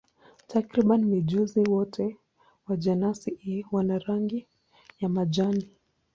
Takriban mijusi wote wa jenasi hii wana rangi ya majani.